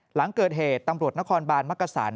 หลังเกิดเหตุตำรวจนครบานมักกษัน